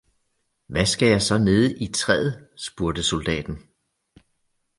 Hvad skal jeg så nede i træet spurgte soldaten